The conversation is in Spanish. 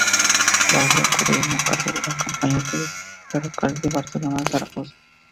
Las obras corrieron a cargo de la Compañía del Ferrocarril de Barcelona a Zaragoza.